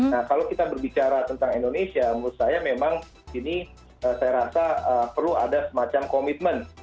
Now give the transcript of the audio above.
nah kalau kita berbicara tentang indonesia menurut saya memang ini saya rasa perlu ada semacam komitmen